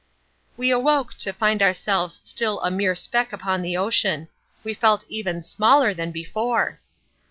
We awoke to find ourselves still a mere speck upon the ocean. We felt even smaller than before.